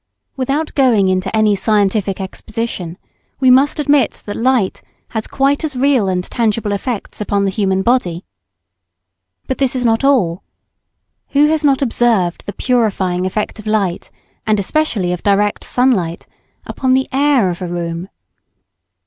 Without going into any scientific exposition we must admit that light has quite as real and tangible effects upon the human body. But this is not all. Who has not observed the purifying effect of light, and especially of direct sunlight, upon the air of a room?